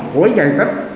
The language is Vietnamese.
hối gai tích